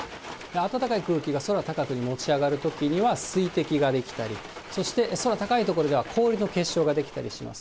暖かい空気が空高くに持ち上がるときには水滴が出来たり、そして空高い所では、氷の結晶が出来たりします。